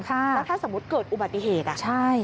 แล้วถ้าสมมุติเกิดอุบัติเหตุใช่